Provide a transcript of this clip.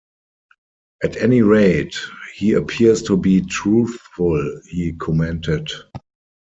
"At any rate he appears to be truthful," he commented.